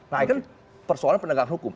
nah itu persoalan pendagang hukum